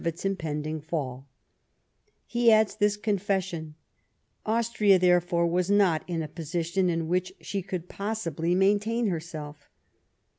31 its impending fall," he adds this confession :" Austria, therefore, was not in a position in which she could possibly maintain herself."